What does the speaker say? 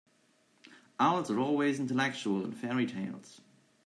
Owls are always intellectual in fairy-tales.